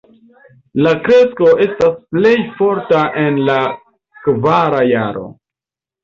La kresko estas plej forta en la kvara jaro.